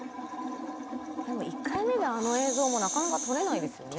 １回目であの映像もなかなか撮れないですよね。